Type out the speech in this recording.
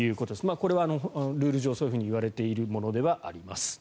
これはルール上そういわれているものではあります。